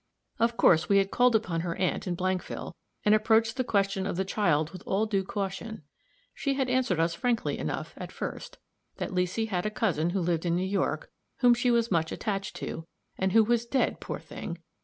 Of course we had called upon her aunt in Blankville, and approached the question of the child with all due caution. She had answered us frankly enough, at first that Leesy had a cousin who lived in New York, whom she was much attached to, and who was dead, poor thing!